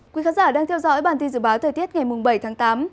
quý khán giả đang theo dõi bản tin dự báo thời tiết ngày bảy tháng tám